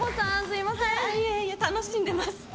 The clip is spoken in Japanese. いえいえ、楽しんでます。